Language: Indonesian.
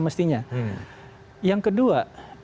mestinya yang kedua